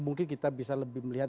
mungkin kita bisa lebih melihat